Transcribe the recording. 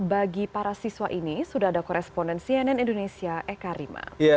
bagi para siswa ini sudah ada koresponen cnn indonesia eka rima